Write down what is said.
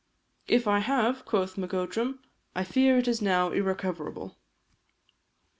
"If I have," quoth Macodrum, "I fear it is now irrecoverable."